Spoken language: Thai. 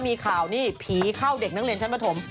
มีข่าวนี่ผีเข้าเด็กนักเรียนชั้นปฐม